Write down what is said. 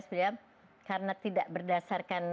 sebenarnya karena tidak berdasarkan